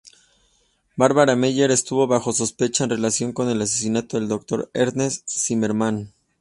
Barbara Meyer estuvo bajo sospecha en relación con el asesinato del Dr. Ernst Zimmermann.